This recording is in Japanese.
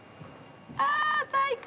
ああ最高！